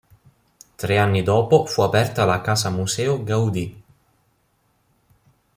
Tre anni dopo fu aperta la Casa Museo Gaudí.